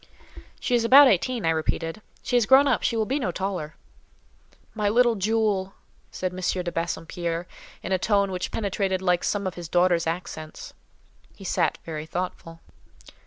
"She is about eighteen," I repeated. "She is grown up; she will be no taller." "My little jewel!" said M. de Bassompierre, in a tone which penetrated like some of his daughter's accents. He sat very thoughtful.